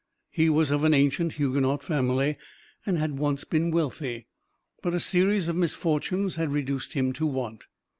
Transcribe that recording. He was of an ancient Huguenot family, and had once been wealthy; but a series of misfortunes had reduced him to want.